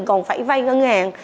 còn phải vay ngân hàng